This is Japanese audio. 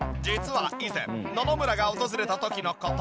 実は以前野々村が訪れた時の事。